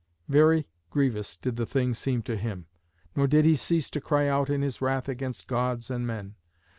Very grievous did the thing seem to him, nor did he cease to cry out in his wrath against Gods and men.